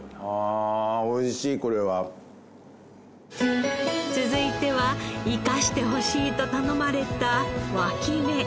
あおいしいこれは。続いては生かしてほしいと頼まれた脇芽。